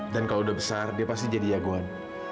dan kalau udah besar dia pasti jadi jagoan